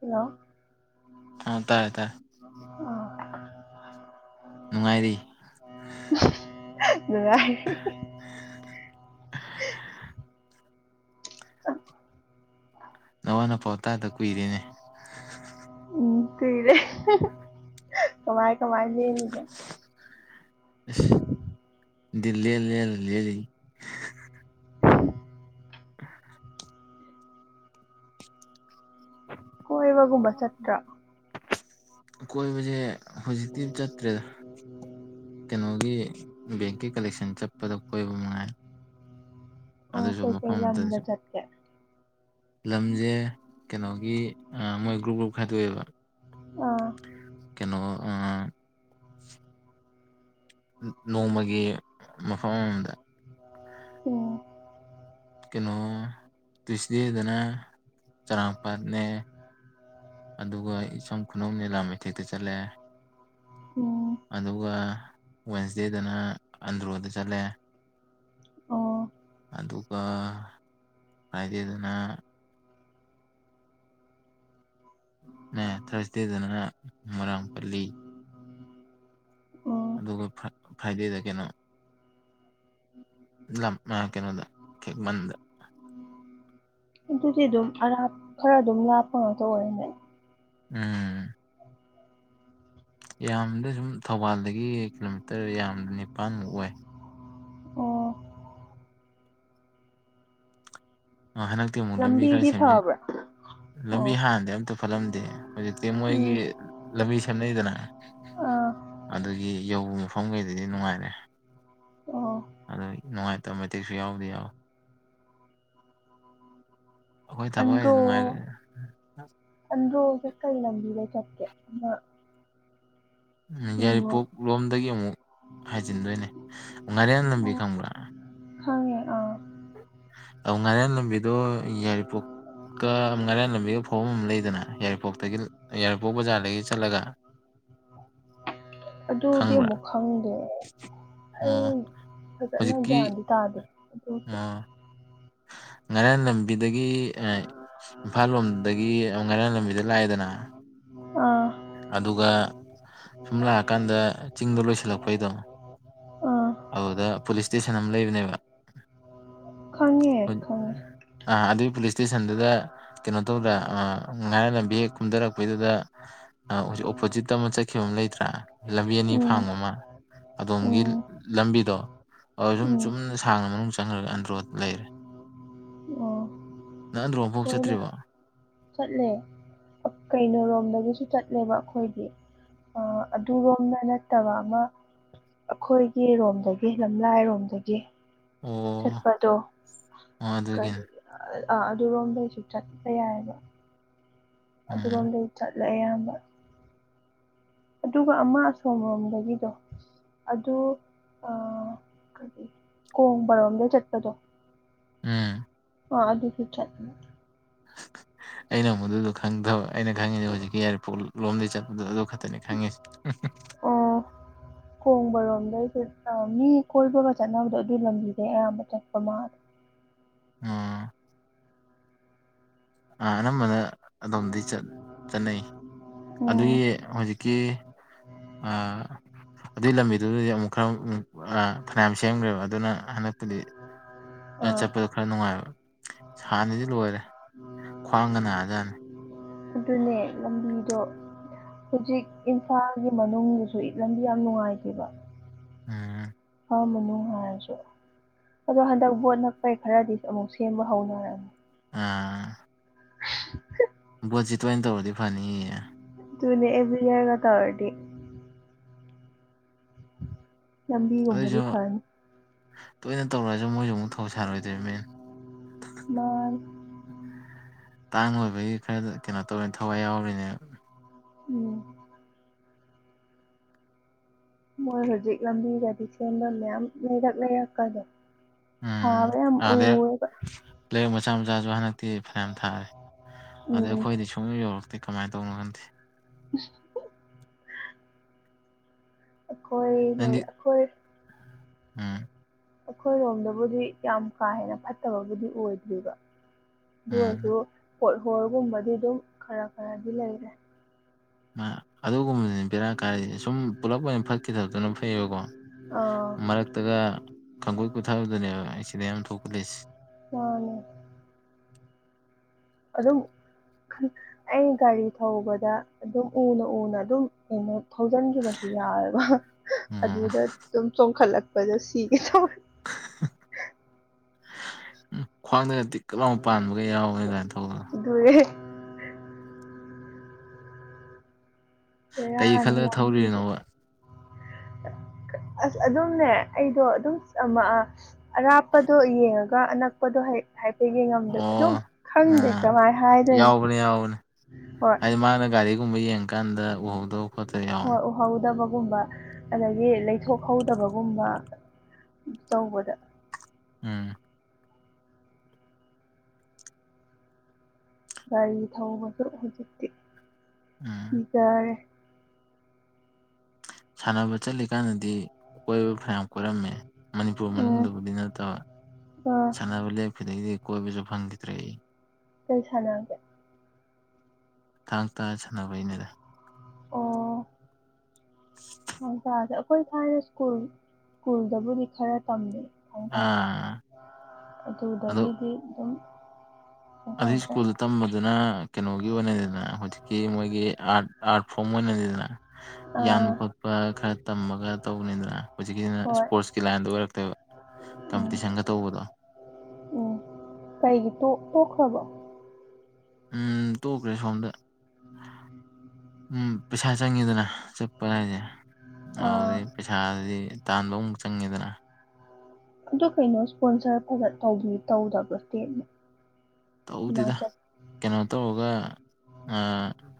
Hello ꯑ ꯇꯥꯏ ꯇꯥꯏ ꯎ ꯅꯨꯡꯉꯥꯏꯔꯤ [inaudible] ꯅꯋꯥ ꯅ ꯄꯥꯎ ꯇꯗ ꯀꯨꯏꯔꯦꯅꯦ ꯎꯝ ꯀꯨꯏꯔꯦ ꯀꯃꯥꯏ ꯥꯏ ꯂꯩꯒ ꯗꯤꯜꯂꯤ ꯂꯩ ꯂꯩ ꯂꯩ ꯂꯩ [inaudible] ꯀꯣꯏꯕꯒꯨꯝꯕ ꯆꯠꯇ꯭ꯔ ꯀꯣꯏꯕꯁꯦ ꯍꯧꯖꯤꯛꯇꯤ ꯆꯠꯇ꯭ꯔꯦꯗ ꯀꯩꯅꯣꯒꯤ ꯕꯦꯡꯀꯤ ꯀꯂꯦꯛꯁꯟ ꯆꯠꯄꯗ ꯀꯣꯏꯕ ꯅꯨꯡꯉꯥꯏ ꯑꯗ ꯑꯣ ꯁ ꯀꯩꯀꯩ ꯃꯐꯝꯠꯇ ꯂꯝꯗ ꯆꯠꯀꯦ ꯂꯝꯁꯦ ꯀꯩꯅꯣꯒꯤ ꯃꯣꯏ ꯒ꯭ꯔꯨꯞ ꯒ꯭ꯔꯨꯞ ꯈꯥꯏꯗꯣꯛꯑꯦꯕ ꯑꯥ ꯀꯩꯅꯣ ꯅꯣꯡꯃꯒꯤ ꯃꯐꯝ ꯑꯃꯗ ꯎꯝ ꯀꯩꯅꯣ ꯇ꯭ꯨꯋꯁꯗꯦꯗꯅ ꯆꯔꯥꯡꯄꯥꯠꯅꯦ ꯑꯗꯨꯒ ꯏꯆꯝ ꯈꯨꯅꯧ ꯂꯤꯂꯥ ꯃꯊꯦꯛꯇ ꯆꯠꯂꯑꯦ ꯎꯝ ꯑꯗꯨꯒ ꯋꯦꯟꯁꯗꯦꯗꯅ ꯑꯟꯗ꯭ꯔꯣꯗ ꯆꯠꯂꯦ ꯑꯣ ꯑꯗꯨꯒ ꯀꯥꯏꯗꯦꯗꯅ ꯊꯥꯔꯁꯗꯦꯗꯅ ꯃꯔꯣꯏꯥꯡ ꯄꯜꯂꯤ ꯎꯝ ꯑꯗꯨꯒ ꯐ꯭ꯔꯥꯏꯗꯦꯗ ꯀꯩꯅꯣ ꯂꯝ ꯃꯥ ꯀꯩꯅꯣꯗ ꯃꯗ ꯑꯗꯨꯗꯤ ꯑꯗꯨꯝ ꯑꯔꯥꯞ ꯈꯔ ꯑꯗꯨꯝ ꯂꯥꯞꯄ ꯉꯥꯛꯇ ꯑꯣꯏꯔꯦꯅꯦ ꯎꯝ ꯌꯥꯝꯌꯥꯝꯕꯗ ꯁꯨꯝ ꯊꯧꯕꯥꯜꯗꯒꯤ ꯀꯤꯂꯣꯃꯤꯇꯔ ꯌꯥꯝꯌꯥꯝꯕꯗ ꯅꯤꯄꯥꯥꯟꯃꯨꯛ ꯑꯣꯏ ꯑꯣ ꯍꯟꯗꯛꯇꯤ ꯑꯃꯨꯛ ꯂꯝꯕꯤ ꯈꯔ ꯂꯝꯕꯤꯗꯤ ꯁꯦꯝꯖꯤꯟ ꯐꯕ꯭ꯔꯥ ꯂꯝꯕꯤ ꯑꯣ ꯍꯥꯟꯅꯗꯤ ꯑꯝꯇ ꯐꯠꯂꯝꯗꯦ ꯍꯧꯖꯤꯛꯇꯤ ꯃꯣꯏꯒꯤ ꯎꯝ ꯂꯝꯕꯤ ꯁꯦꯝꯅꯩꯗꯅ ꯑꯥ ꯑꯗꯨꯒꯤ ꯌꯧꯕ ꯃꯐꯝꯈꯩꯗꯗꯤ ꯅꯨꯡꯉꯥꯏꯔꯦ ꯑꯣ ꯑꯗꯨ ꯅꯨꯡꯉꯥꯏ ꯇ ꯃꯇꯤꯦꯛꯁꯨ ꯌꯥꯎꯗꯤ ꯌꯥꯎ ꯑꯩꯈꯣꯏ ꯊꯕꯛ ꯍꯥꯏꯗꯤ ꯑꯟꯗꯔꯣ ꯅꯨꯡꯉꯥꯏꯔꯦ ꯑꯟꯗꯔꯣꯗ ꯀꯩ ꯂꯪꯕꯤ ꯂꯩꯩ ꯆꯦ ꯑ ꯌꯥꯏꯔꯤꯄꯣꯛ ꯂꯣꯝꯗꯒꯤ ꯑꯃꯨꯛ ꯍꯥꯏꯖꯤꯟꯗꯣꯏꯅꯦ ꯎ ꯉꯥꯏꯔꯦꯅ ꯂꯝꯕꯤ ꯈꯪꯕ꯭ꯔꯥ ꯍꯉꯦ ꯑꯥ ꯑ ꯉꯔꯦꯟ ꯂꯝꯕꯤꯗꯣ ꯌꯥꯏꯔꯤꯄꯣꯛꯀ ꯉꯔꯦꯟ ꯂꯝꯕꯤꯒꯤ ꯐꯧꯕ ꯑꯃ ꯂꯩꯗꯅ ꯌꯥꯏꯔꯤꯄꯣꯛꯇꯒꯤ ꯌꯥꯏꯔꯤꯄꯣꯛ ꯕꯖꯥꯔꯗꯒꯤ ꯆꯠꯂꯒ ꯑꯗꯨꯗꯤ ꯈꯪꯕ꯭ꯔꯥ ꯑꯃꯨꯛ ꯈꯪꯗꯦ ꯑꯣ ꯑꯩ ꯐꯖꯅ ꯍꯧꯖꯤꯛꯀꯤ ꯒ꯭ꯌꯥꯟꯗꯤ ꯇꯥꯗꯦ ꯑ ꯑꯣꯀꯦ ꯉꯔꯥꯡ ꯂꯝꯕꯤꯗꯒꯤ ꯏꯝꯐꯥꯜ ꯂꯣꯝꯗꯒꯤ ꯉꯔꯥꯡ ꯂꯝꯕꯤꯗ ꯂ ꯍꯥꯏꯗꯅ ꯑꯥ ꯑꯗꯨꯒ ꯁꯨꯝ ꯂꯥꯛꯑꯀꯥꯟꯗ ꯆꯤꯡꯗ ꯂꯣꯏꯁꯤꯜꯂꯛꯄꯩꯗ ꯑꯥ ꯑꯗꯨꯗ ꯄꯨꯂꯤꯁ ꯏꯁꯇꯦꯁꯟ ꯑꯃ ꯂꯩꯕꯅꯦꯕ ꯈꯪꯉꯦ ꯈꯪꯉꯦ ꯑ ꯑꯗꯨꯗꯤ ꯄꯨꯂꯤꯁ ꯏꯁꯇꯦꯁꯟꯗꯨꯗ ꯀꯩꯅꯣ ꯇꯧꯗ꯭꯭ꯔꯥ ꯑ ꯉꯥꯏꯔꯅ ꯚꯦꯛ ꯀꯨꯝꯊꯔꯛꯄꯩꯗꯨꯗ ꯑ ꯍꯧꯖꯤꯛ ꯑꯣꯄꯣꯖꯤꯠꯇ ꯑꯃ ꯆꯠꯈꯤꯕ ꯑꯃ ꯂꯩꯇ꯭ꯔꯥ ꯂꯝꯕꯤ ꯑꯅꯤ ꯎꯝ ꯐꯥꯡꯕ ꯑꯃ꯫ ꯑꯗꯣꯝꯒꯤ ꯎꯝ ꯂꯝꯕꯤꯗꯣ ꯑꫭ ꯁꯨꯝ ꯎꯝ ꯆꯨꯝꯅ ꯁꯥꯡꯅ ꯃꯅꯨꯡ ꯆꯪꯔꯒ ꯑꯟꯗ꯭ꯔꯣ ꯂꯩꯔꯦ꯫ [unintelligible] ꯅꯪ ꯑꯟꯗ꯭ꯔꫭ ꯐꯥꯎ ꯑꯩꯈꯣꯏꯅ ꯆꯠꯇ꯭ꯔꯤꯕꫭ꯫ ꯆꯠꯂꯦ ꯀꯩꯅꫭꯔꯣꯝꯗꯒꯤꯁꯨ ꯆꯠꯂꯦꯕ ꯑꯈꯣꯏꯗꯤ꯫ ꯑ ꯑꯗꯨꯔꯣꯝꯗ ꯅꯠꯇꯕ ꯑꯃ ꯑꯩꯈꯣꯏꯒꯤꯔꯣꯝꯗꯒꯤ ꯂꯝꯂꯥꯏꯔꯣꯝꯗꯒꯤ꯫ ꯑꯣ ꯆꯠꯄꯗꯣ ꯑꯣ ꯀ ꯑꯗꯨꯒꯤꯅꯤ ꯑ ꯑꯥ ꯑꯗꯨ ꯔꯣꯝꯝꯗꯩꯁꯨ ꯆꯠꯄ ꯌꯥꯏꯑꯦꯕ꯫ ꯎꯝ ꯑꯗꯨꯔꯣꯝꯗꯩ ꯆꯠꯂꯦ ꯑꯌꯥꯝꯕ꯫ ꯑꯗꯨꯒ ꯑꯃ ꯑꯁꯣꯝ ꯔꯣꯝꯗꯒꯤꯗꯣ꯫ ꯑꯗꯨ ꯑ ꯀꯣꯡꯕꯔꯣꯝꯗꯩ ꯆꯠꯄꯗꯣ꯫ ꯎꯝ ꯑꯣ ꯑꯗꯨꯗꯨ ꯆꯠ ꯑꯩꯅ ꯃꯗꯨꯗꯣ ꯈꯪꯗꯕ꯫ ꯑꯩꯅ ꯈꯪꯉꯤꯁꯦ ꯍꯧꯖꯤꯛꯀꯤ ꯏꯌꯦꯔꯄꯣꯔꯠ ꯂꯣꯝꯗꯩ ꯆꯠꯄꯗꫭ ꯑꯗꯨ ꯈꯛꯇꯅꯤ ꯈꯪꯉꯤꯁꯤ꯫ ꯀꯣꯡꯕꯔꯣ꯫ ꯑ ꯃꯤ ꯀꯣꯏꯕꯒ ꯆꯠꯅꯕꯗꯣ ꯑꯗꯨ ꯂꯝꯕꯤꯗ ꯑꯌꯥꯝꯕ ꯆꯠꯄ ꯃꯥꯜꯂꯦ꯫ ꯑꯥ ꯑꯥ ꯅꯝꯕꯅ ꯑꯗꯣꯝꯗꯩ ꯆꯠꯅꯩ ꯑꯗꯨꯒꯤ ꯎꯝ ꯍꯧꯖꯤꯛꯀꯤ ꯑꯥ ꯑꯗꯨꯏ ꯂꯝꯕꯤꯗꯨꯗꯤ ꯌꯥꯝ ꯈꯔꯥꯎ ꯑ ꯐꯅꯌꯥꯝ ꯁꯦꯝꯈ꯭ꯔꯦꯕ ꯑꯗꯨꯅ ꯍꯟꯗꯛꯄꯨꯗꯤ ꯑꯥ ꯆꯠꯄꯗꯣ ꯈꯔ ꯅꯨꯡꯉꯥꯏꯔꯝ ꯍꯥꯟꯅꯗꯤ ꯂꯣꯏꯔꯦ ꯈ꯭ꯋꯥꯡꯒ ꯅꯥꯖꯅꯤ꯫ ꯑꯗꯨꯅꯦ ꯂꯝꯕꯤꯗꯣ ꯍꯧꯖꯤꯛ ꯏꯝꯐꯥꯜꯒꯤ ꯃꯅꯨꯡꯗꯨꯁꯨ ꯏꯠ ꯂꯝꯕꯤ ꯌꯥꯝ ꯅꯨꯡꯉꯥꯏꯇꯦꯕ꯫ ꯎꯝ ꯏꯝꯐꯥꯜ ꯃꯅꯨꯡ ꯍꯥꯏꯔꯁꯨ ꯑꯗꯣ ꯍꯟꯗꯛ ꯕꯣꯠ ꯅꯞꯄꯩ ꯈꯔꯗꯤ ꯑꯃꯨꯛ ꯁꯦꯝꯕ ꯍꯧꯅꯔꯅꯤ꯫ ꯑꯥ ꯕꯣꯠꯖꯤ ꯇꯣꯏꯅꯤ ꯇꯧꯗꯤ ꯐꯅꯤ꯫ ꯇꯨꯅꯦ ꯑꯦꯕ꯭ꯔꯤ ꯏꯌꯥꯔꯒ ꯇꯧꯔꯗꯤ꯫ ꯂꯝꯕꯤꯒꯨꯝꯕꯗꯤ ꯑꯗꯨꯏꯁꯨ ꯐꯅꯤ꯫ ꯇꯣꯏꯅ ꯇꯧꯔꯛꯑꯁꯨ ꯃꯣꯏꯁꯨ ꯑꯃꯨꯛ ꯊꯧ ꯁꯥꯔꯣꯏꯗꯣꯏ ꯃꯦꯟ꯫ ꯃꯥꯅꯤ ꯇꯥꯡ ꯂꯣꯏꯕꯒꯤ ꯈꯔꯗ ꯀꯩꯅꯣ ꯇꯧꯔꯤꯅꯦ ꯊꯋꯥꯏ ꯌꯥꯎꯔꯤꯅꯦ꯫ ꯎꯝ ꯃꯣꯏ ꯍꯧꯖꯤꯛ ꯂꯝꯕꯤꯒꯗꯤ ꯁꯦꯝꯕ ꯃꯌꯥꯝ ꯂꯩꯔꯛ ꯂꯩꯔꯛꯀꯗꯣ ꯎꯝ ꯍꯥꯕ ꯌꯥꯝ ꯑꯥ ꯂꯩꯔꯛ ꯎꯋꯦꯕ꯫ ꯂꯩꯔꯛ ꯃꯆꯥ ꯃꯆꯥꯁꯨ ꯍꯟꯗꯛꯇꯤ ꯐꯅꯌꯥꯝ ꯊꯥꯔꯦ ꯑꯗꯩ ꯎꯝ ꯑꯈꯣꯏꯗꯤ ꯁꯨꯡ ꯌꯧ ꯌꯧꯔꯛ ꯇꯦ ꯀꯃꯥꯏꯅ ꯇꯧꯅꫭ ꯈꯪꯗꯦ꯫ [unintelligible] ꯑꯩꯈꯣꯏ ꯂꯩ ꯅꯪꯗꯤ ꯑꯩꯈꯣꯏ ꯎꯝ ꯑꯩꯈꯣꯏꯔꯣꯝꯗꯕꯨꯗꯤ ꯌꯥꯝ ꯀꯥ ꯍꯦꯟꯅ ꯐꯠꯇꯕꯕꯨꯗꯤ ꯑꯣꯏꯗ꯭ꯔꯤꯕ꯫ ꯎꯝ ꯑꯗꯨꯑꫭꯏꯔꯁꯨ ꯍꯣꯠ ꯍꯣꯒꯨꯝꯕꯗꯤ ꯑꯗꯨꯝ ꯈꯔ ꯈꯔꯗꯤ ꯂꯩꯔꯦ꯫ ꯑ ꯑꯗꯨꯒꯨꯝꯕꯗꯨꯅꯤ ꯕꯦꯔꯥ ꯀꯥꯏꯔꯗꯤ ꯁꯨꯝ ꯄꯨꯂꯞ ꯑꯣꯏꯅ ꯐꯠꯈꯤꯗꯕꯗꯨꯅ ꯐꯩꯌꯦꯕꯀꯣ꯫ ꯑꯥ ꯃꯔꯛꯇꯒ ꯈꯪꯒꯣꯏ ꯀꯨꯊꯕꯗꯅꯦꯕ ꯑꯦꯛꯁꯤꯗꯦꯟ ꯌꯥꯃ ꯊꯣꯛꯍꯜꯂꯤꯁꯦ꯫ [unintelligible] ꯑꯗꯨ ꯑꯗꯨꯝ ꯑꯩ ꯒꯥꯔꯤ ꯊꯧꯕꯗ ꯑꯗꯨꯝ ꯎꯅ ꯎꯅ ꯑꯗꯨꯝ ꯀꯩꯅꯣ ꯊꯧꯖꯤꯟꯈꯤꯕꯁꯨ ꯌꯥꯑꯦꯕ ꯎꯝ ꯑꯗꯨꯗ ꯑꯗꯨꯝ ꯆꯣꯡꯈꯠꯂꯛꯄꯗ ꯁꯤꯒ ꯇ ꯎ ꯈꯅꯗꯤ ꯀꯂꯥꯎ ꯄꯥꯟꯕꯒ ꯌꯥꯎꯅꯤ ꯑꯗꯨꯃꯥꯏꯅ ꯇꯧꯕꯗꯣ ꯑꯗꯨꯅꯦ ꯍ ꯀꯩ ꯌꯥꯅꯤ ꯈꯜꯂꯒ ꯂꯕꯤꯗꯤ ꯊꯧꯔꯤꯅꯣꯕ ꯑꯁ ꯑꯗꯨꯝꯅꯦ ꯑꯩꯗꯣ ꯑꯗꯨꯝ ꯑꯔꯥꯞꯄꯗꯣ ꯌꯦꯡꯉꯒ ꯑꯅꯛꯄꯗꯣ ꯍꯥꯏꯐꯦꯒꯦ ꯉꯝꯗ ꯑꯣ ꯑꯗꯨꯝ ꯈꯪꯗꯦ ꯑꯥ ꯀꯃꯥꯏꯅ ꯍꯥꯏꯗꯣꯏꯅꯣ ꯌꯥꯎꯕꯅꯦ ꯌꯥꯎꯕꯅꯦ ꯍꯣꯏ ꯍꯥꯏꯗꯤ ꯃꯥꯅ ꯒꯥꯔꯤꯒꯨꯝꯕ ꯌꯦꯡꯀꯥꯟꯗ ꯎꯍꯧꯗꯕ ꯈꯣꯠꯇꯕ ꯌꯥꯎꯅꯤ ꯨꯝꯕ ꯑꯗꯒꯤ ꯂꯩꯊꯣꯛꯍꯧꯗꯕꯒꯨꯝꯕ ꯇꯧꯕꯗ ꯎꯝ ꯒꯥꯔꯤ ꯊꯧꯕꯁꯨ ꯍꯧꯖꯤꯛꯇꯤ ꯎꯝ ꯏꯇꯥꯔꯦ ꯁꯥꯟꯅꯕ ꯆꯠꯂꯤꯀꯥꯟꯗꯗꯤ ꯀꯣꯏꯕ ꯈꯔ ꯌꯥꯝ ꯀꯣꯏꯔꯝꯃꯦ ꯃꯅꯤꯄꯨꯔ ꯎꯝ ꯃꯅꯨꯡꯗꯕꯨꯗꯤ ꯅꯠꯇꯕ ꯑꯥ ꯁꯥꯟꯅꯕ ꯂꯦꯞꯄꯗꯒꯤꯗꯤ ꯀꯣꯏꯕꯁꯨ ꯐꯪꯈꯤꯗ꯭ꯔꯦ ꯀꯔꯤ ꯆꯅꯒꯦ ꯊꯥꯡ ꯇꯥ ꯁꯥꯟꯅꯕꯩꯩꯅꯗ ꯍ ꯁꯥꯁꯦ ꯑꯩꯈꯣꯏ ꯊꯅ ꯁ꯭ꯀꯨꯜ ꯁ꯭ꯀꯨꯜꯗꯕꯨꯗꯤ ꯈꯔ ꯇꯝꯃꯦ ꯍꯥꯏꯇꯥꯦ ꯑꯥ ꯑꯗꯨꯗꯒꯤꯗꯤ ꯑꯗꯨꯝ ꯀꯩꯅꯣ ꯑꯗꯨ ꯇꯧꯗ꯭ꯔꯦ ꯁ꯭ꯀꯨꯜꯗ ꯇꯝꯕꯗꯨꯅ ꯀꯩꯅꯣꯒꯤ ꯑꯣꯏꯅꯗꯅ ꯍꯧꯖꯤꯛꯀꯤ ꯃꯣꯏꯒꯤ ꯑꯥꯔꯠ ꯑꯥꯔꯠ ꯐꯣꯔꯝ ꯑꯣꯏꯅꯅꯤꯗꯅ ꯌꯥꯟꯕ ꯑꯥ ꯈꯣꯠꯄ ꯈꯔ ꯇꯝꯃꯒ ꯇꯧꯕꯅꯤꯗꯅ ꯍꯧꯖꯤꯛꯀꯤꯁꯤꯅ ꯍꯣꯏ ꯏꯁꯄꯣꯔꯠꯁꯀꯤ ꯂꯥꯏꯟꯗ ꯑꯣꯏꯔꯛꯇꯣꯏꯕ ꯎꯝ ꯀꯝꯄꯤꯇꯤꯁꯟꯒ ꯇꯧꯕꯗꯣ ꯀꯩ ꯇ ꯎꯝ ꯇꯣꯛꯈ꯭ꯔꯦ ꯁꯣꯟꯗ ꯎꯝ ꯄꯩꯁꯥ ꯆꯪꯉꯤꯗꯅ ꯆꯠꯄ ꯍꯥꯏꯁꯦ ꯑꯥ ꯑꯗꯨꯗꯤ ꯄꯩꯁꯥꯗꯤ ꯇꯥꯟꯕ ꯑꯃꯨꯛ ꯆꯪꯉꯦꯗꯅ ꯑꯗꯨ ꯀꯩꯅꯣ ꯏꯁꯄꯣꯟꯁꯔ ꯐꯖ ꯇꯧꯗꯕ꯭ꯔ ꯇꯦꯅꯦ ꯇꯧꯗꯦꯗ ꯀꯩꯅꯣ ꯇꯧꯔꯒ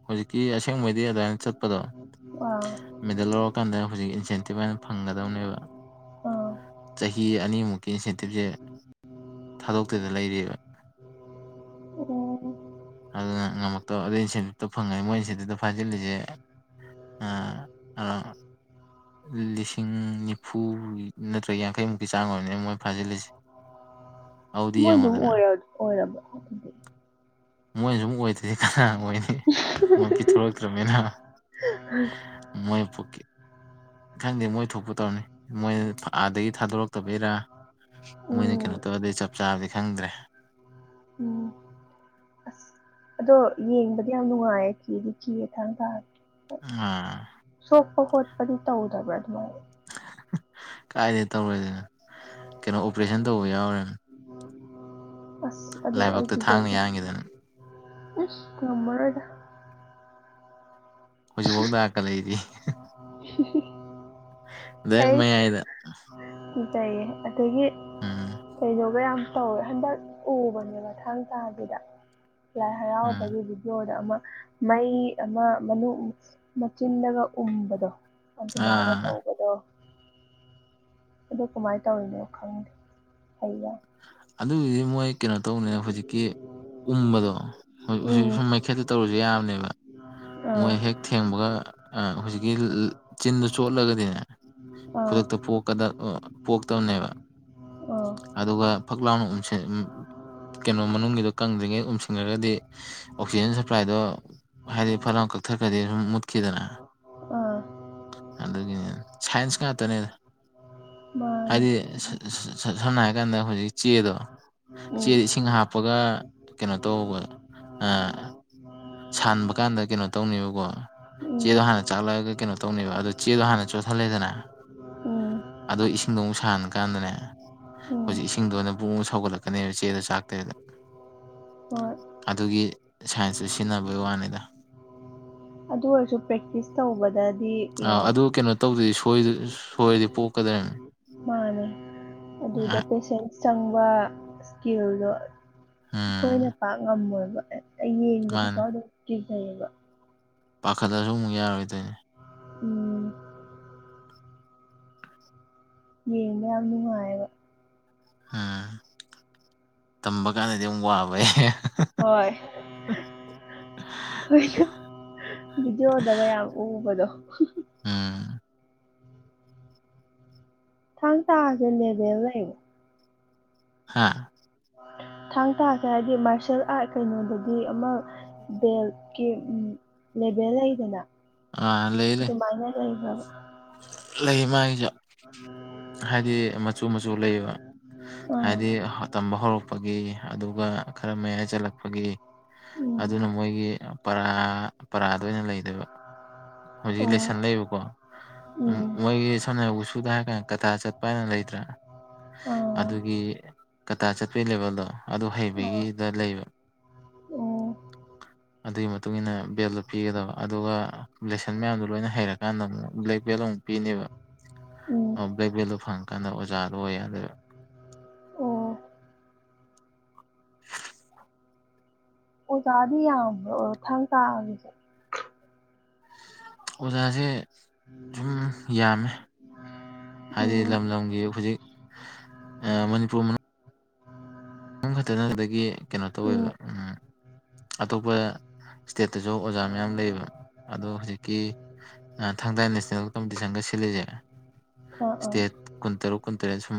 ꯍꯧꯖꯤꯛꯀꯤ ꯑꯁꯦꯡꯕꯩꯗꯤ ꯑꯗꯨꯃꯏꯅ ꯆꯠꯄꯗꯣ ꯑꯥ ꯃꯦꯗꯜ ꯂꯧꯔꯀꯥꯟꯗ ꯍꯧꯖꯤꯛ ꯏꯟꯁꯦꯟꯇꯤꯞ ꯍꯥꯏꯅ ꯐꯪꯒꯗꯕꯅꯦꯕ ꯑꯥ ꯆꯍꯤ ꯑꯅꯤꯃꯨꯛꯀꯤ ꯏꯟꯁꯦꯟꯇꯤꯞꯁꯦ ꯊꯥꯗꯣꯛ ꯗ ꯂꯩꯔꯤꯕ ꯑꯣ ꯑꯗꯨꯅ ꯉꯝ ꯑꯣ ꯑꯗꯨꯗ ꯏꯟꯁꯦꯟꯇꯞꯇꯣ ꯐꯪꯉꯦ ꯃꯣꯏ ꯏꯟꯁꯦꯟꯇꯤꯞꯇ ꯐꯥꯖꯤꯜꯂꯤꯁꯦꯣ ꯂꯤꯁꯤꯡ ꯅꯤꯐꯨ ꯅꯠꯇ꯭ꯔꯒ ꯌꯥꯡꯈꯩꯃꯨꯛꯀꯤ ꯆꯥꯡ ꯑꯣꯏꯔꯕꯅꯤꯅ ꯃꯣꯏ ꯐꯥꯖꯤꯜꯂꯤꯁꯦ ꯎ ꯑꯗꯨꯗꯤ ꯃꯣꯏꯗꯨ ꯌꯦꯡꯉꯣꯗꯅ ꯑꯣꯏꯔ ꯑꯣꯏꯔꯕ ꯃꯣꯏꯅ ꯁꯨꯝ ꯑꯣꯏꯗꯗꯤ ꯀꯅꯥ ꯑꯣꯏꯅꯤ ꯃꯣꯏ ꯄꯤꯊꯣꯔꯛꯇ꯭ꯔꯕꯅꯤꯅ ꯃꯣꯏ ꯄ ꯈꯪꯗꯦ ꯃꯣꯏ ꯊꯣꯛꯄ ꯇꯧꯔꯅꯤ ꯃꯣꯏ ꯑꯥꯗꯒꯤ ꯊꯥꯗꯣꯔꯛꯇꯕꯩꯔꯥ ꯃꯣꯏꯅ ꯎꯝ ꯀꯩꯅꯣ ꯇꯧꯔꯗꯤ ꯆꯞ ꯆꯥꯕꯗꯤ ꯈꯪꯗ꯭ꯔꯦ ꯑ ꯌꯦꯗꯤꯅꯨꯡꯉꯌꯦ ꯀ ꯊꯀꯥꯔ ꯑꯥ ꯈ ꯈꯣꯠꯄꯗꯤ ꯇꯧꯗꯕ꯭ꯔꯥ ꯑꯗꯨꯃꯥꯏꯅ ꯀꯥꯏꯗꯩ ꯇꯧꯔꯗꯅ ꯀꯩꯅꯣ ꯑꯣꯄꯔꯦꯁꯟ ꯇꯧꯕ ꯌꯥꯎꯔꯦꯅ ꯑꯁ ꯑꯗꯨ ꯑꯩ ꯂꯥꯏꯕꯛꯇ ꯊꯥꯡꯅ ꯄꯖꯩꯗ ꯌꯥꯟꯈꯤꯗꯅ ꯏꯁ ꯃꯃꯔꯣꯗ ꯍꯧꯖꯤꯛꯐꯥꯎꯗꯥꯛꯀ ꯂꯩꯔꯤ ꯗ ꯃꯌꯥꯏꯗ ꯀꯩꯌꯦ ꯑꯗꯒꯤ ꯎꯝ ꯀꯩꯗꯧꯕ ꯌꯥꯝ ꯇꯧꯋꯦ ꯍꯟꯗꯛ ꯎꯕꯅꯦꯕ ꯊꯥꯡ ꯇꯥꯗꯨꯗ ꯌꯥꯏ ꯎꯝ ꯍꯔꯥꯎꯕꯒꯤ ꯚꯤꯗꯤꯑꯣꯗ ꯑꯃꯨꯛ ꯃꯩ ꯑꯃ ꯃꯅꯨꯡ ꯃꯆꯤꯜꯂꯒ ꯎꯕꯗꯣ ꯑꯗꯨꯃꯥꯏꯅ ꯑꯥ ꯇꯧꯕꯗꯣ ꯑꯗꯨ ꯀꯃꯥꯏꯅ ꯇꯧꯔꯤꯅꯣ ꯈꯪꯗꯦ ꯍꯩ ꯌꯥꯏ ꯑꯗꯨꯒꯤꯗꯤ ꯃꯣꯏ ꯀꯩꯅꯣ ꯇꯧꯅꯦ ꯍꯧꯖꯤꯛꯀꯤ ꯎꯕꯗꯣ ꯎꯝ ꯁꯨꯝ ꯃꯩꯈꯦꯠꯇ ꯇꯧꯔꯁꯨ ꯌꯥꯕꯅꯦꯕ ꯑꯥ ꯃꯣꯏ ꯍꯦꯛ ꯊꯦꯡꯕꯒ ꯍꯧꯖꯤꯛꯀꯤ ꯆꯤꯟꯗꯨ ꯆꯣꯠꯂꯒꯗꯤꯅꯦ ꯑꯥ ꯈꯨꯗꯛꯇ ꯄꯀ ꯄꯣꯛꯇꯕꯅꯦꯕ ꯑꯥ ꯑꯗꯨꯒ ꯐꯛꯂꯥꯎꯅꯝꯁꯦ ꯀꯩꯅꯣ ꯃꯅꯨꯡꯒꯤꯗꯣ ꯀꯪꯗ꯭ꯔꯤꯉꯩ ꯎꯝꯁꯤꯟꯈꯒꯗꯤ ꯑꯣꯛꯁꯤꯖꯦꯟ ꯁꯄ꯭ꯂꯥꯏꯗꯣ ꯍꯥꯏꯗꯤ ꯐꯅꯛ ꯄꯊꯒꯗꯤ ꯁꯨꯝ ꯃꯨꯠꯈꯤꯗꯅ ꯎ ꯑꯗꯨꯗꯒꯤ ꯁꯥꯏꯟꯁ ꯉꯥꯛꯇꯅꯦ ꯃꯥꯅꯦ ꯍꯥꯏꯗꯤ ꯁꯝꯅ ꯍꯥꯏꯔ ꯀꯥꯟꯗ ꯍꯧꯖꯤꯛ ꯆꯦꯗꯣ ꯎꯝ ꯆꯦꯗ ꯏꯁꯤꯡ ꯍꯥꯞꯄꯒ ꯀꯩꯅꯣ ꯇꯧꯕ ꯁꯥꯟꯕ ꯀꯥꯟꯗ ꯀꯩꯅꯣ ꯇꯧꯅꯦꯕꯀꯣ ꯎꯝ ꯆꯦꯗꯣ ꯍꯥꯟꯅ ꯆꯥꯛꯂꯛꯑꯒ ꯀꯩꯅꯣ ꯇꯧꯅꯦꯕ ꯑꯗꯣ ꯆꯦꯗꯣ ꯍꯥꯟꯅ ꯆꯣꯠꯊꯜꯂꯦꯗꯅ ꯎꯝ ꯑꯗꯣ ꯏꯁꯤꯡꯗꯣ ꯑꯃꯨꯛ ꯁꯥꯍꯟ ꯀꯥꯟꯗꯅꯦ ꯎꯝ ꯍꯧꯖꯤꯛ ꯏꯁꯤꯡꯗꯣꯅꯕꯨꯨꯡ ꯑꯃ ꯁꯧꯒꯠꯂꯛꯀꯅꯦꯕ ꯆꯦꯗꯣ ꯆꯥꯛꯇꯔꯤꯗ ꯍꯣꯏ ꯑꯗꯨꯒꯤ ꯁꯥꯏꯟꯁꯇꯨ ꯁꯤꯖꯤꯟꯅꯕꯩ ꯋꯥꯅꯤꯗ ꯑꯗꯨ ꯑꯣꯏꯔꯁꯨ ꯄ꯭ꯔꯦꯛꯇꯤꯁ ꯇꯧꯕꯗꯗꯤ ꯌꯦꯡꯉꯣ ꯑꯗꯨ ꯀꯩꯅꯣ ꯇꯧꯗ꯭ꯔꯗꯤ ꯁꯣꯏꯔꯗꯤ ꯄꯣꯛꯀꯗꯕꯅꯤ ꯃꯥꯅꯦ ꯑꯗꯨꯗ ꯄꯦꯁꯦꯟꯁ ꯆꯪꯕ ꯏꯁꯀꯤꯜꯗꯣ ꯎꯝ ꯑꯩꯈꯣꯏꯅ ꯄꯥꯛ ꯉꯝꯃꯣꯏꯕ ꯌꯦꯡꯕꯗ ꯐꯥꯎ ꯑꯗꯨꯝ ꯆꯤꯖꯩꯌꯦꯕ ꯄꯥꯈꯠꯠꯇꯁꯨ ꯑꯃꯨꯛ ꯌꯥꯔꯣꯏꯗꯣꯏꯅꯦ ꯎꯝ ꯌꯦꯅ ꯌꯥꯝ ꯅꯨꯡꯉꯥꯏꯕ ꯎꯝ ꯇꯝꯕ ꯀꯥꯟꯗꯗꯤ ꯑꯃꯝꯛ ꯋꯥꯕ ꯑꯩ ꯍꯣꯏ ꯣꯏ ꯚꯕꯤꯗꯤꯑꯣꯗꯒ ꯌꯥꯝ ꯎꯕꯗꯣ ꯎꯝ ꯊꯥꯡ ꯇꯥꯥꯁꯦ ꯂꯦꯕꯦꯜ ꯂꯩ ꯍꯥꯥ ꯊꯥꯡ ꯇꯥꯥꯁ ꯍꯥꯏꯗꯤ ꯃꯥꯔꯁꯌꯦꯦꯜ ꯑꯥꯔꯠ ꯀꯩꯅꯣꯗꯗꯤ ꯑꯃ ꯕꯦꯜꯀꯤ ꯂꯦꯚꯦꯜ ꯂꯩꯗꯅ ꯑꯥ ꯂꯩ ꯂꯩ ꯑꯗꯨꯃꯥꯏꯅ ꯂꯩꯈ꯭ꯔꯕ ꯂꯩ ꯃꯥꯥꯏꯒꯤꯁꯨꯦ ꯍꯥꯏꯗꯤ ꯃꯆꯨ ꯃꯆꯨ ꯂꯩꯌꯦꯕ ꯑꯥ ꯍꯥꯏꯗꯤ ꯇꯝꯕ ꯍꯧꯔꯛꯄꯒꯤ ꯑꯗꯨꯒ ꯈꯔ ꯃꯌꯥꯏ ꯆꯜꯂꯛꯄꯒꯤ ꯎꯝ ꯑꯗꯨꯅ ꯃꯣꯏꯒꯤ ꯄꯔꯥ ꯄꯔꯥꯗ ꯑꯣꯏꯅ ꯂꯩꯗꯣꯏꯕ ꯍꯧꯖꯤꯛ ꯑꯣ ꯂꯩꯁꯟ ꯂꯩꯕꯀꯣ ꯎꯝ ꯃꯣꯏꯒꯤ ꯁꯣꯝꯅ ꯋꯁꯨꯗ ꯍꯥꯏꯔ ꯀꯥꯟꯗ ꯀꯊ ꯆꯠꯄ ꯍꯥꯏꯅ ꯂꯩꯇ꯭ꯔꯥ ꯑꯥ ꯑꯗꯨꯒꯤ ꯀꯇꯥ ꯆꯠꯄꯒꯤ ꯂꯦꯕꯦꯜꯗꯣ ꯑꯗꯨ ꯑꯣ ꯍꯩꯕꯒꯤꯗ ꯂꯩꯕ [inaudible] ꯑꯗꯨꯒꯤ ꯃꯇꯨꯡ ꯏꯟꯅ ꯕꯦꯜꯗꯣ ꯄꯤꯒꯗꯕ ꯑꯗꯨꯒ ꯂꯦꯁꯟ ꯃꯌꯥꯝꯗꯨꯣ ꯂꯣꯏꯅ ꯍꯩꯔꯀꯥꯟꯗ ꯑꯃꯨꯛ ꯕ꯭ꯂꯦꯛ ꯂ ꯄꯤꯅꯦꯕ ꯎꯝ ꯑꯣ ꯕ꯭ꯂꯦꯛ ꯕꯦꯜꯗꯣ ꯐꯪꯉꯀꯥꯟꯗ ꯑꯣꯖꯥꯗ ꯑꯣꯏ ꯌꯥꯗꯦ ꯑꯣ ꯑꯣꯖꯥꯗꯤ ꯌꯥ꯭ꯔ ꯊꯪ ꯇꯥꯁꯦ ꯑꯣꯖꯥꯁꯦ ꯁꯨꯝ ꯌꯥꯝꯃꯦ ꯍꯥꯏꯗꯤ ꯎꯝ ꯂꯝ ꯂꯝꯒꯤ ꯍꯧꯖꯤꯛ ꯃꯅꯤꯄꯨꯔ ꯃꯅꯨꯡ ꯌ ꯈꯛꯇ ꯅ ꯑꯗꯨꯗꯒꯤ ꯀꯩꯅꯣ ꯎꯝ ꯇꯧꯋꯦꯕ ꯑꯇꯣꯞꯄ ꯏꯁꯇꯦꯠꯇꯁꯨ ꯑꯣꯖꯥ ꯃꯌꯥꯝ ꯂꯩꯌꯦꯕ ꯑꯗꯣ ꯍꯧꯖꯤꯛꯀꯤ ꯊꯥꯡꯗꯥꯥꯏ ꯅꯦꯁꯅꯦꯜ ꯀꯝꯄꯤꯇꯤꯁꯟꯒ ꯐꯂꯦꯖ ꯑꯥ ꯑꯥ ꯏꯁꯇꯦꯠ ꯀꯨꯟꯇꯔꯨꯛ ꯀꯨꯟꯇꯔꯦꯠ ꯁꯨꯝ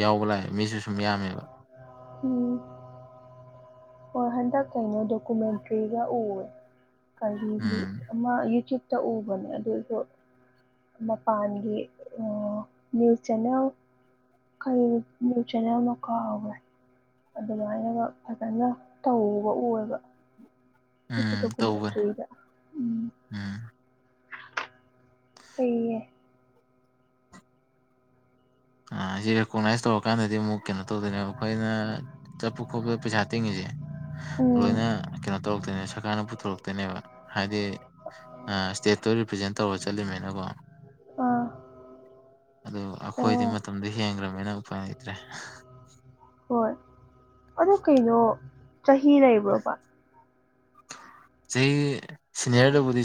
ꯌꯥꯎꯕ ꯂꯥꯛꯑꯦ ꯃꯤꯁꯨ ꯈꯨꯝꯌꯥꯝꯃꯦꯕ ꯎꯝ ꯍꯣꯏ ꯍꯟꯗꯛ ꯀꯩꯅꯣꯗꯣ ꯀꯨꯃꯦꯟꯇꯔꯤꯒ ꯎꯔꯦ ꯀꯔꯤꯒꯤ ꯎꯝ ꯑꯃꯥ ꯌꯨꯇꯨꯕ ꯇ ꯎꯕ ꯑꯗꯨꯗꯁꯨ ꯃꯄꯥꯟꯒꯤ ꯑ ꯅ꯭ꯌꯨꯁ ꯆꯦꯟꯅꯜ ꯀꯩꯒꯤ ꯅ꯭ꯌꯨꯁ ꯆꯟꯅꯦꯜꯅꯣ ꯀꯥꯎꯒꯔ꯭ꯦ ꯑꯗꯨꯃꯥꯏꯅꯒ ꯐꯖꯅ ꯇꯧꯕ ꯎꯔꯒ ꯎꯝ ꯇꯧꯕꯅꯦ ꯎꯝ [unintelligible] ꯁꯦꯌꯦ ꯁꯤ ꯔꯦꯀꯣꯛꯅꯥꯏꯁ ꯇꯧꯔꯀꯥꯟꯗꯗꯤ ꯑꯃꯨꯛ ꯀꯩꯅꯣ ꯇꯧꯗꯣꯏꯅꯦꯕ ꯑꯩꯈꯣꯏꯅ ꯆꯠꯄ ꯈꯣꯠꯄꯗ ꯄꯩꯁꯥ ꯇꯤꯡꯉꯤꯁꯦ ꯎꯝ ꯂꯣꯏꯅ ꯀꯩꯅꯣ ꯇꯧꯔꯛꯇꯧ ꯁꯔꯀꯥꯔꯅ ꯄꯨꯊꯣꯔꯛꯇꯣꯏꯅꯦꯕ ꯍꯥꯏꯗꯤ ꯏꯁꯇꯦꯠꯇꯣ ꯔꯤꯄ꯭ꯔꯖꯦꯟ ꯇꯧꯔ ꯆꯠꯂꯤꯅꯤꯅꯀꯣ ꯑꯥ ꯑꯗꯣ ꯑꯣ ꯃꯇꯝꯗꯤ ꯍꯦꯟꯡꯈ꯭ꯔꯃꯦꯅ ꯎꯄꯥꯏ ꯂꯩꯇ꯭ꯔꯦ ꯍꯣꯏ ꯑꯗꯨ ꯀꯩꯅꯣ ꯆꯍꯤ ꯂꯩꯕ꯭ꯔꯣꯕ ꯆꯍꯤ ꯁꯤꯅꯤꯌꯔꯗꯕꯨꯗꯤ